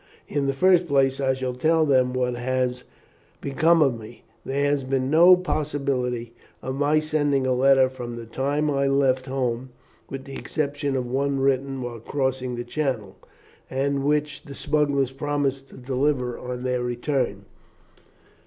In the first place, I shall tell them what has become of me. There has been no possibility of my sending a letter from the time I left home, with the exception of one written while crossing the Channel, and which the smugglers promised to deliver on their return.